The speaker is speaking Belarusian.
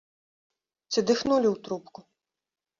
Ці дыхнулі ў трубку?